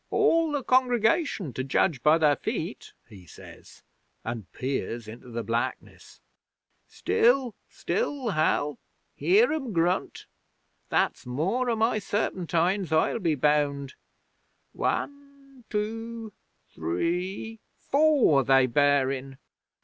'"All the congregation, to judge by their feet," he says, and peers into the blackness. "Still! Still, Hal! Hear 'em grunt! That's more o' my serpentines, I'll be bound. One two three four they bear in!